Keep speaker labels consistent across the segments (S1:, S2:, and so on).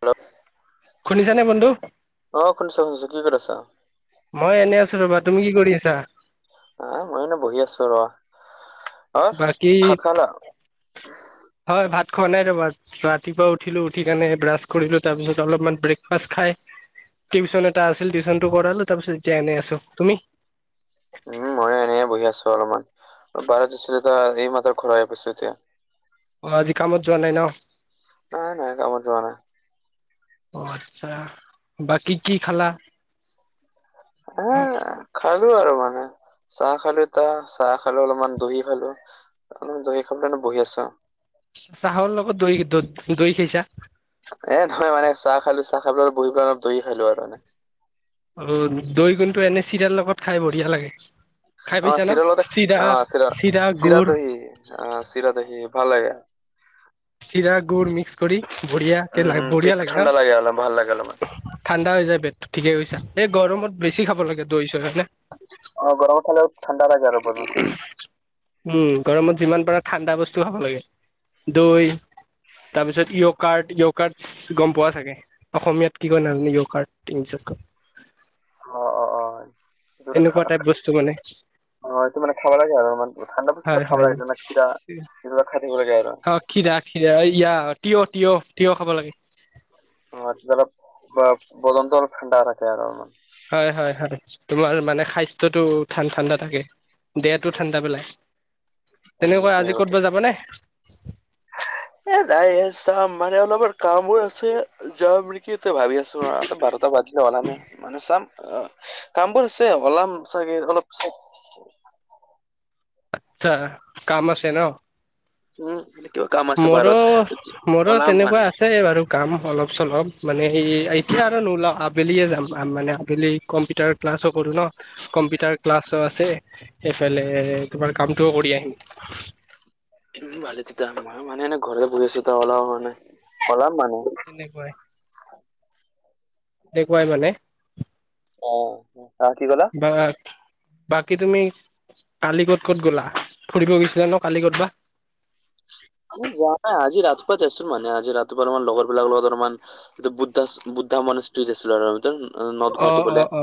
S1: নল [unintelligible]
S2: শুনিছ নে বন্ধু?
S1: অ', শুনিছোঁ শুনিছোঁ কি কৰি আছা?
S2: মই এনেই আছোঁ ৰ'বা তুমি কি কৰিছা?
S1: অ', মই এনে বহি আছো ৰ। অ
S2: বাকী
S1: ভাত খালা
S2: হয় ভাত খোৱা নাই ৰবাত ৰাতিপুৱা উঠিলো, উঠি কেনে ব্ৰাছ কৰিলো তাৰপিছত অলপমান ব্ৰেকফাষ্ট খাই টিউচন এটা আছিল টিউচনটো কৰালো তাৰপিছত এয়া এনে আছো, তুমি?
S1: উম ময়ো এনে বহি আছো অলপমান, অ', বাৰত আছিলো এই মাত্ত ঘৰ পাইছো এতিয়া।
S2: অ', আজি কামত যোৱা নাই ন?
S1: নাই নাই, কামত যোৱা নাই।
S2: অ', আচ্ছা, বাকী কি খালা?
S1: অ [inaudible] খালো আৰু মানে, চাহ খালো তাহ চাহ খালো অলপমান দহি খালো। কাৰ দহ খাবানে বহি আছা [inaudible]
S2: চাহৰ লগত দৈ দ দৈ খাইছা?
S1: এ নহয় মানে চাহ খালো, চাহ খাই পেলাই আৰু বিহ পেলাই অলপ দিহ খালো আৰু এনে।
S2: অ', দৈ গুণটো এনে চিৰিয়াৰ লগত খাই বঢ়িয়া লাগে। খাই
S1: অ',
S2: পাইছা ন
S1: চিৰা লগতে অ চিৰা চিৰা দহি অ চিৰা দহি ভাল লাগে।
S2: চিৰা গুড মিক্স কৰি, বঢ়িয়া
S1: উম
S2: ল
S1: উম
S2: বঢ়িয়া
S1: পেটটো
S2: লাগে
S1: ঠাণ্ডা অলপ ভাল লাগে অলপমান
S2: ন ঠাণ্ডা হৈ যায় পেটটো ঠিকেই কৰিছা এই গৰমত বেছি খাব লাগে দৈ চৈ হয়নে?
S1: অ গৰমত খালেও ঠাণ্ডা লাগে, আৰু বৰখন। [inaudible]
S2: উম গৰমত যিমান পাৰা ঠাণ্ডা বস্তু খাব লাগে, দৈ তাৰপিছত য়' কাৰ্ড য়' কাৰ্ড গম পোৱা চাগে? অসমীয়াত কি কয় নাজানো য়' কাৰ্ড তিনিশ কাৰ্ড
S1: অ অ অ'।
S2: এনেকুৱা টাইপ বস্তু মানে।
S1: অটো মে খাবা লাগে আৰু মান ঠাণ্ডা বস্তুা
S2: হয় হয়
S1: খাবা লাগিলে ন ক্ষীৰাা এইবিলাক খাতিিব লাগে আৰু [inaudible] [unintelligible]
S2: অঁ খীৰা খীৰা ইয়া তিঁহ তিয়হ তিয়হ, খাব লাগে।
S1: অ', অলপ বদন্ত অলপ ঠাণ্ডা ৰাখে আৰু অলমান।
S2: হয় হয় হয়, তোমাৰ মানে স্বাস্থয়টো ঠাণ্ডা ঠাণ্ডা থাকে। দেহটো ঠাণ্ডা পেলাই,
S1: উম
S2: তেনেকুৱা আজি
S1: ঠিকে কৈছে
S2: ক'ৰবাত যাব নে?
S1: এ, দাই চাম মানে অলপমান কামো আছে যাম নেকি তই ভাবি আ বাৰটা বাজিলে ওলামে মানে চাম অ কামবোৰছে হওলাম চাগে অলপ [unintelligible] [inaudible]
S2: আচ্ছা, কাম আছে ন?
S1: উম এনেক
S2: মোৰো মোৰো, তেনেকুৱা আছে বাৰু কাম অলপ চলপ মানে এতিয়া আৰু নোলাওঁ, আবেলিয়ে যাম মানে আবেলি কম্পিউটাৰ ক্লাছো কৰোঁ ন, কম্পিউটাৰ ক্লাছো আছে সেইফালে তোমাৰ কামটোও কৰি আহিম।
S1: উম ভালে তেতিয়া, মই মানে এনে ঘৰতে বহি আছো ওলাব হোৱা নাই, ওলাম মানে।
S2: তেনেকুৱাই। সেনেকুৱাই মানে।
S1: অ, হা কি কলা?
S2: বাত, বাকী তুমি কালী ক'ত ক'ত গ'লা? ফুৰিব গৈছিলা ন কালী কৰবাত।
S1: যাৱা নাই আজি ৰাতিপুৱা জাইছোঁ মানে আজি ৰাতিপুৱা [unintelligible] লগৰ বিলাকৰ লগত অলপমান সিটো বুদ্ধাচ বুদ্ধা মানুসটো [unintelligible] আৰু [unintelligible]
S2: অ,
S1: বোলে
S2: অ, অ,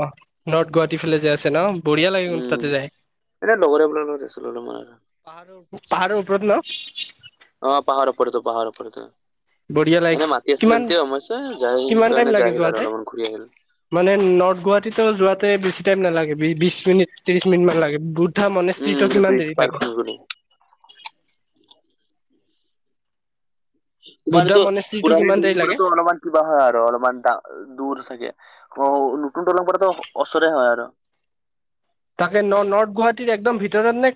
S2: নৰ্থ গুৱাহাটীৰ ফালে যে আছে ন? বঢ়িয়া লাগে কিন্তু
S1: উম
S2: তাতে যায়।
S1: এনে লগৰে বোৰৰ লগত আছিলোঁ তোমাৰ।
S2: পাহাৰৰ, পাহাৰৰ ওপৰত ন?
S1: অ, পাহাৰৰ ওপৰত এইটো পাহাৰৰ ও এইটো।
S2: বঢ়িয়া লাগে
S1: এনে মাতি
S2: কিমান
S1: চানটিয়ে সোমাইছে, যাই
S2: কিমান টাইম
S1: [unintelligible] যাই
S2: লাগে
S1: আহিল আৰু
S2: যোৱাতে
S1: অলপমান ঘূৰি আহিল।
S2: মানে নৰ্থ গুৱাহাটীতো যোৱাতে বেছি টাইম নালাগে বি-বিশ মিনিট ত্ৰিশ মিনিট মান লাগে [unintelligible] [unintelligible] মনে
S1: উম
S2: স্তিতত কিমান
S1: ব্ৰিজ
S2: দেৰি
S1: পাৰ
S2: থাকে?
S1: কৰি গলো
S2: বুদ্ধা
S1: তোমাৰতো
S2: মনেষ্ট্ৰিটো
S1: পুৰণি
S2: কিমান দেৰি লাগে
S1: [unintelligible] অলপমান কিবা হয় আৰু অলপমান দা দূৰ থাকে অ, নতুন দলং [unintelligible] ওচৰে হয় আৰু।
S2: তাকে ন-নৰ্থ গুৱাহাটীৰ একদম ভিতৰত নে,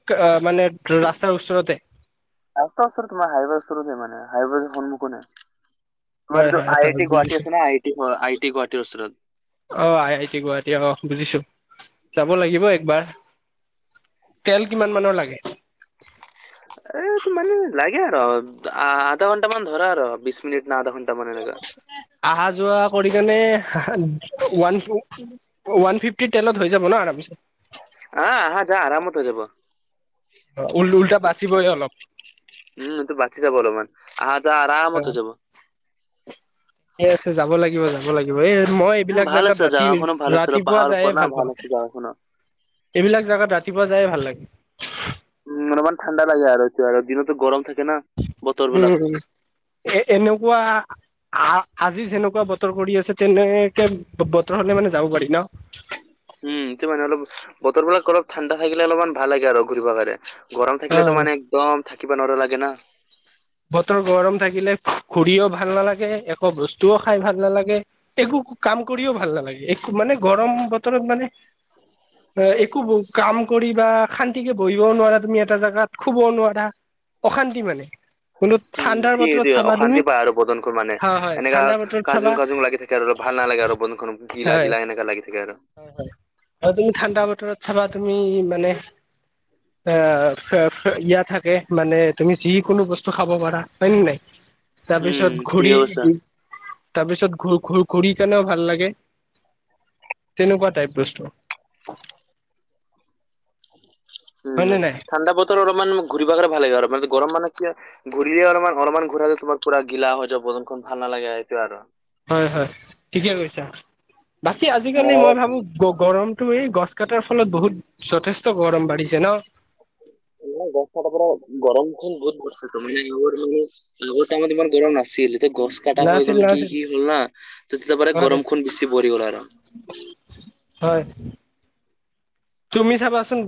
S2: মানে ৰাস্তাৰ ওচৰতে?
S1: ৰাস্ত ওচৰত তোমাৰ হাইৱেৰ ওচৰতে মানে, হাইৱেৰ সন্মুখতে। তোমাৰ
S2: হয়
S1: এইটো
S2: হয়
S1: আই
S2: হয়
S1: আইটি গুৱাহাটী
S2: বুজিছো
S1: আছে না, আইটি আই টি গুৱাহাটীৰ ওচৰত।
S2: অ', আই আই টি গুৱাহাটী অ, বুজিছোঁ, যাব লাগিব একবাৰ। তেল কিমান মানৰ লাগে?
S1: এ, মানে লাগে আৰু আধা ঘণ্টা মান ধৰা আৰু বিশ মিনিট [unintelligible] আধা [unintelligible] [unintelligible] মান এনেকা।
S2: অহা-যোৱা কৰি কেনে ওৱান ওৱান ফিফটি তেলত হৈ যাব ন আৰামচে?
S1: অ, আহ-যোৱা আৰামত হৈ যাব।
S2: অ, উল-উলতা বাচিবই অলপ।
S1: উম, এতো বাচি যাব অলপমান, আহা-যাৱা আৰামত হৈ যাব।
S2: ঠিকে আছে যাব লাগিব [unintelligible] লাগিব, এই মই
S1: উম
S2: এইবিলাক
S1: ভাল
S2: জেগাত
S1: আছে
S2: ৰাতি
S1: জাগাখনো ভাল আছে অলপ
S2: ৰাতিপুৱা
S1: পাহাৰ
S2: যায়ে
S1: ওপৰত না
S2: ভাল পাওঁ।
S1: আছে জাগাখনো।
S2: এইবিলাক জেগাত ৰাতিপুৱা যায়ে ভাল লাগে।
S1: উম, অলপমান ঠাণ্ডা লাগে আৰু [unintelligible] দিনতো গৰম থাকে ন।
S2: উম, এ-এনেকুৱা আ-আজি যেনেকুৱা বতৰ কৰি আছে তেনেকে বতৰ হলে মানে যাব পাৰি ন?
S1: উম, এটো মানে অলপ বতৰ বিলাক অলপ ঠাণ্ডা থাকিলে অলপমান ভাল লাগে আৰু ঘূৰিব কাৰনে। গৰম থাকিলেতো
S2: হয়
S1: মানে একদম থাকিব নৰ লাগে না।
S2: বতৰ গৰম থাকিলে ঘূৰিও ভাল নালাগে, একো বস্তুও খাই ভাল নালাগে। একো কাম কৰিও ভাল নালাগে, একো মানে গৰম বতৰত মানে একো কাম কৰি বা শান্তিকে বহিবও নোৱাৰা তুমি এটা জাগাত শুবও নোৱাৰা, অশান্তি মানে। কিন্তু
S1: উম,
S2: ঠাণ্ডাৰ বতৰত
S1: [unintelligible]
S2: চাবা তুমি
S1: অশান্তি পায় আৰু বদন [unintelligible] মানে
S2: হয় হয়
S1: এনেকা
S2: ঠাণ্ডা বতৰত
S1: কাজুং
S2: চাবা
S1: কাজুং লাগি থাক [inaudible] আৰু ভাল নালাগে আৰু [unintelligible] খন গিলা
S2: হয়
S1: গিলা এনেকা লাগি থাকে আৰু।
S2: হয়, হয়, আৰু তুমি ঠাণ্ডা বতৰত চাবা তুমি মানে অ, [unintelligible] থাকে মানে তুমি যিকোনো বস্তু খাব পাৰা হয়েনে নাই? তাৰ
S1: উম
S2: পিছত ঘূৰি,
S1: ঠিকে কৈছা
S2: তাৰপিছত ঘূ-ঘূ-ঘূৰি কেনেও ভাল লাগে। তেনেকুৱা টাইপ বস্তু। হয়
S1: উম,
S2: নে নাই
S1: ঠাণ্ডা বতৰ অলপমান ঘূৰিব [unintelligible] ভাল লাগিব আৰু মানে গৰম মানে কি ঘূৰিলেই অলপমান, অলপমান ঘূৰালে তোমাৰ পুৰা গিলা হৈ যাব বদনখন ভাল নালাগে সেইটোৱে আৰু।
S2: হয়, হয়, ঠিকে কৈছা। বাকী আজিকালি
S1: আৰু
S2: মই ভাবোঁ গ-গৰমটো এই গছ কটাৰ ফলত বহুত যথেষ্ট গৰম বাঢ়িছে ন?
S1: [unintelligible] [unintelligible] ইমান গৰম নাছিলে। ততে গছ কটা হৈ
S2: নাছিল
S1: গল কি
S2: নাছিল
S1: কি হ'ল না, তেতিয়াৰ পৰা
S2: হয়
S1: গৰম খন বেছি পৰি গল আৰু।
S2: হয়। তুমি চাবাচোন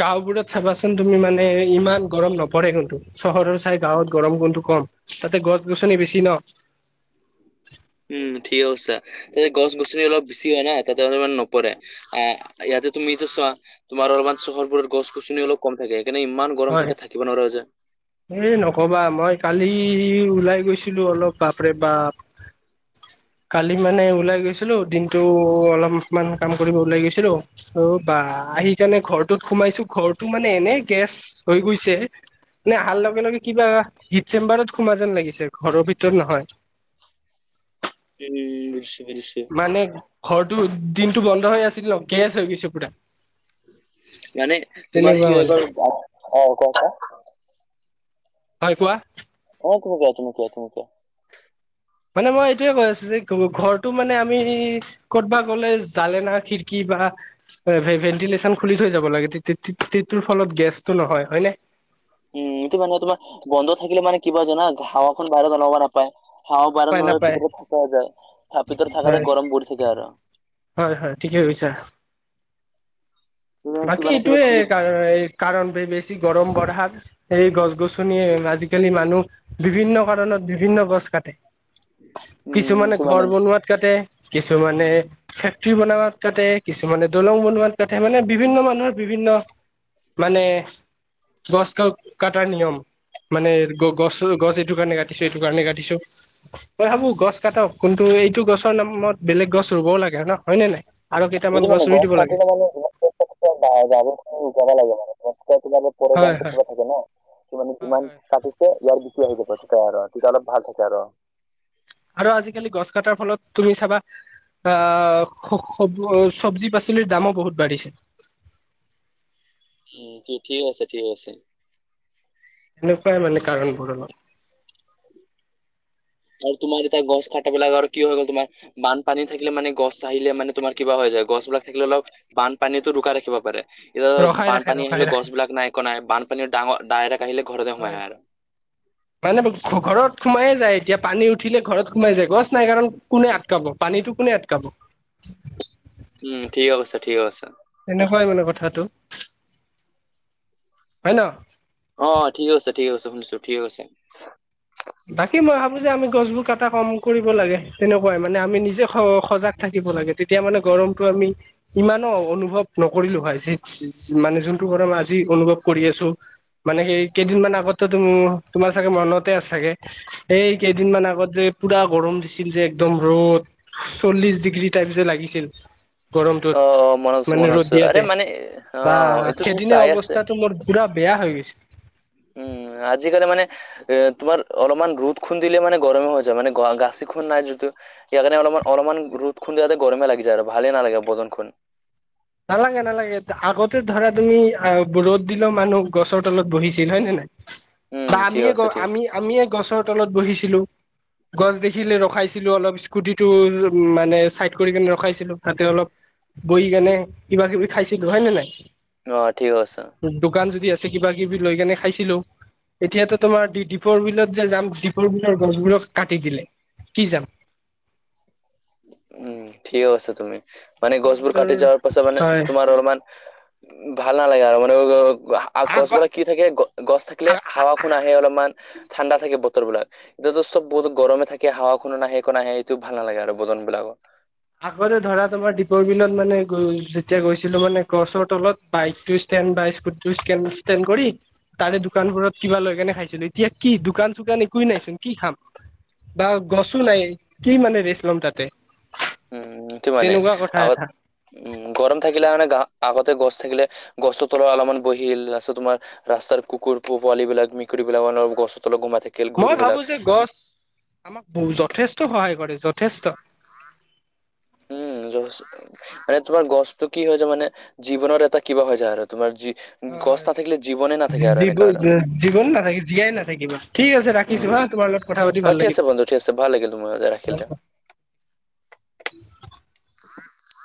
S2: গাঁওবোৰত চাবাচোন, তুমি মানে ইমান গৰম নপৰে কিন্তু। চহৰৰ চাই গাঁৱত গৰম গুণটো কম তাতে গছ- গছনি বেছি ন।
S1: উম ঠিকে কৈছা। তাতে গছ-গছনি অলপ বেছি হয় না তাতে অলপ নপৰে আহ ইয়াতে তুমি এতিয়া চোৱা তোমাৰ অলমান চহৰবোৰত গছ-গছনি অলপ কম থাকে সেইকাৰণে ইমান গৰম থাকে থাকিব নোৱাৰা‌ হৈ যায়।
S2: এই নকবা মই কালি ওলাই গৈছিলোঁ অলপ বাপৰে বাপ কালি মানে ওলাই গৈছিলোঁ দিনটো অলপমান কাম কৰিব ওলাই গৈছিলোঁ অ', বা আহি কাৰণে ঘৰটোত সোমাইছো ঘৰটো‌ মানে এনে গেছ হৈ গৈছে নে আহাৰ লগে লগে কিবা হিট চেম্বাৰত সোমোৱা যেন লাগিছে ঘৰৰ ভিতৰত নহয়।
S1: উম বুজিছোঁ বুজিছোঁ।
S2: মানে ঘৰটো দিনটো বন্ধ হৈ আছিল ন, গেছ হৈ গৈছে পুৰা।
S1: মানে তোমাৰ
S2: তেনেকুৱা
S1: কি হৈ
S2: মানে।
S1: গ'ল অ ক কা
S2: হয় কোৱা।
S1: [inaudible]
S2: মানে মই এইটোযৱে কৈ আছোঁ যে ঘৰটো মানে আমি কৰ'তব গ'লে জালে ন খিৰিকী বা [inaudible] ভ ভেন্টিলেশ্যন খুলি থৈ যাব লাগে, তেটোৰ ফলত গেছটো নহয় হয় ন?
S1: উম এইটো মানে তোমাৰ গন্ধ থাকিলে মানে কিবা জানা হাৱাখন বাহিৰত অলাব নাপায়। হা
S2: নাপায়
S1: বাৰানো হয়
S2: নাপায়
S1: ভিতৰত থাকা যায় ভিতৰত
S2: হয়
S1: থাকাতে গৰম পৰি থাকে আৰু। [inaudible]
S2: হয় হয়, ঠিকে কৈছা।
S1: তুমি কিবা
S2: বাকী
S1: না কিবা খুলি
S2: এইটোৱে কাৰণ বছি গৰম বঢ়াৰ এই গছ গছনিয়ে আজিকালি মানুহ, বিভিন্ন কাৰণত বিভিন্ন গছ কাটে।
S1: উম
S2: কিছুমানে
S1: এইটো মানে
S2: ঘৰ বনোৱাত কাটে কিছুমানে ফেক্টৰী বনাত কাটে, কিছুমানে দলং বনোৱাত কাটে, মানে বিভিন্ন মানুহৰ বিভিন্ন মানে গছ ক কটাৰ নিয়ম মানে গ গছ গছ এইটো কাৰণে কাটিছো, এইটো কাৰণে কাটিছো। মই ভাবো গছ কাটক কিন্তু, এইটো গছৰ নামত বেলেগ গছ ৰুবও লাগে ন হয়নে নাই? আৰু কেইটামান
S1: যদিটো মানে
S2: ৰুই
S1: গছ
S2: দিব লাগে
S1: কাটিলে মানে যাব লাগে মানে ক
S2: হয়
S1: গানতো কিবা থাকে ন কিমানে ইমান
S2: হয়
S1: ত [inaudible] তে ইয়াৰ বিক হৈ যাব তেতিাই আৰু তেতিয়া অলপ ভাল থাকে আৰু [inaudible]
S2: আৰু আজিকালি গছ কাটাৰ ফলত তুমি চাবা আহ চব্জি পাচলিৰ দামো বহুত বাঢ়িছে।
S1: উম ঠিক আছে ঠিক আছে।
S2: এনে প্ৰায় মনে কাৰণ পঢলো [unintelligible] [inaudible]
S1: আৰু তোমাৰ যেতিয়া গছ কাটা বিলাক আৰু কি হয় হৈ গ'ল তোমাৰ বানপানী থাকিলে মানে গছ আহিলে মানে তোমাৰ কিবা হৈ যায় গছবিলাক থাকিলে অলপ বানপানীতো ৰুখা ৰাখিব পাৰে। এতিয়া
S2: ৰখাই ৰাখে
S1: বানপানী
S2: ৰখাই
S1: আহিলে গছ
S2: ৰাখে
S1: বিলাক নাই একো নাই বানপানীৰ ডাঙৰ ডাইৰেক্ট আহিলে ঘৰতে সোমাই
S2: হয়
S1: আহে আৰু।
S2: মানে ঘৰত সোমাইে যায় এতিয়া পানী উঠিলে ঘৰত সোমাই যায় গছ নাই কাৰণ কোনে আটকাব, পানীটো কোনে আটকাব?
S1: উম ঠিক আছা, ঠিক আছা।
S2: তেনেকুৱাই মানে কথাটো, হয় ন?
S1: অ ঠিক আছে ঠিক আছে শুনিছো ঠিক আছে।
S2: বাকী মই ভাবো যে আমি গছবোৰ কটা কম কৰিব লাগে, তেনেকুৱাই মানে আমি নিজে সজাগ থাকিব লাগে তেতিয়া মানে গৰমটো আমি ইমানো অনুভৱ নকৰিলো হয়, যি মানে যোনটোক আজি অনুভৱ কৰি আছোঁ। মানে সেই কেইদিনমান আগতে তোম-তোমাৰ চাগে মনতে আছে চাগে। এই কেইদিনমান আগত যে, পুৰা গৰম দিছিল যে একদম ৰ'দ চল্লিশ ডিগ্ৰী টাইপ যে লাগিছিল।
S1: অ
S2: গৰমটোত,
S1: অ মনত আছো
S2: মানে
S1: মনত
S2: ৰ'দ
S1: আছো আৰে
S2: দিয়াতে
S1: মানে অ
S2: বা
S1: এইটো তুমি
S2: সেইদিনা
S1: চাই আছে
S2: অৱস্থাটো মোৰ পুৰা বেয়া হৈ গৈছে।
S1: উম, আজিকালি মানে এ তোমাৰ অলপমান ৰ'দ খন দিলে মানে গৰমে হৈ যায়, মানে [unintelligible] নাই যদিও [unintelligible] কাৰণে অলমান অলমান ৰ'দ [unintelligible] গৰমে লাগি যায়, আৰু ভালে নালাগে বদনখন।
S2: নালাগে, নালাগে আগতে ধৰা তুমি আহ ৰ'দ দিলেও মানুহ গছৰ তলত বহিছিল হয় নে নাই।
S1: উম
S2: বা
S1: ঠিক
S2: আমিয়ে
S1: আছে
S2: গ
S1: ঠিক
S2: আমি-আমিয়ে গছৰ তলত বহিছিলো। গছ দেখিলে ৰখাইছিলো অলপ, স্কুটিটো মানে চাইড কৰি কিনে ৰখাইছিলো তাতে অলপ বহ কেনে কিবা-কিবি খাইছিলো হয় নে নাই?
S1: অ', ঠিক। [unintelligible]
S2: দোকান যদি আছে কিবা কিবি লৈ কেনে খাইছিলো, এতিয়াতো তোমাৰ দীপৰ বিলত যে যাম দীপৰ বিলৰ গছবোৰক কাটি দিলে, কি যাম।
S1: উম, ঠিকে কৈছে তুমি মানে
S2: দ্বীপৰ
S1: গছবোৰ
S2: বিলৰ
S1: কাটি যোৱাৰ পাছত মানে
S2: হয়
S1: তোমাৰ অলমান ভাল নালাগে আৰু, মানে
S2: আগ
S1: গ-গছবোৰক কি থাকে, গ-গছ থাকিলে হাৱা কুণ আহে অলপমান। ঠাণ্ডা থাকে বতৰ বিলাক, এতিয়াতো চব বহুত গৰমে থাকে হাৱাখনো নাহে একো নাহে এইটো ভাল নালাগে আৰু। বদন বিলাকত
S2: আগতে ধৰা, তোমাৰ দ্বীপৰ বিলত মানে গৈ যেতিয়া গৈছিলো মানে গছৰ তলত [unintelligible] তাৰে দোকানবোৰত কিবা লৈ কেনে খাইছিলো, এতিয়া কি দোকান চোকান একোৱে নাই চোন কি খাম। বা গছো নাই, কি মানে ৰেচ ল'ম তাতে।
S1: উম, সিটো মানে।
S2: তেনেকুৱা কথা
S1: আগত
S2: এটা
S1: উম, গৰম থাকিলে মানে আগত আগতে গছ থাকিলে গছতোৰ তলত অলমান বহিল, তাৰপিছত তোমাৰ ৰাস্তাৰ কুকুৰ পোৱাল বিলাক, মেকুৰী বিলাক অনবৰ গছৰ তলত গোমাই থাক
S2: মই ভাবো যে গছ আমাক যথেষ্ট সহায় কৰে, যথেষ্ট।
S1: উম, য মানে তোমাৰ গছটো কি হয় যায় মানে, জীৱনৰ এটা কিবা হৈ যায় আৰু তোমাৰ যি গছ নাথাকিলে জীৱনে নাথাকে আৰু
S2: জীৱ
S1: এনেকা আৰু।
S2: জীৱন নাথাকে, জীয়াই নাথাকিব। ঠিক আছে
S1: উম
S2: ৰাখিছোঁ হা, তোমাৰ লগত কথা পাতি
S1: অ
S2: ভাল
S1: ঠিক
S2: লাগিল।
S1: আছে বন্ধু ঠিক আছে ভাল লাগিল তোমাৰ ৰাখিল দে